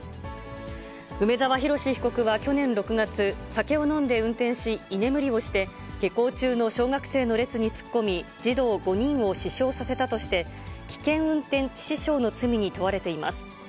梅沢洋被告は去年６月、酒を飲んで運転し、居眠りをして、下校中の小学生の列に突っ込み、児童５人を死傷させたとして、危険運転致死傷の罪に問われています。